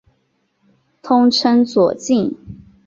通称左近。